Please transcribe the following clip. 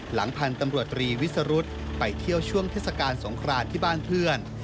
หลังพันธุ์ตำรวจตรีวิสรุธไปเที่ยวช่วงเทศกาลสงครานที่บ้านเพื่อน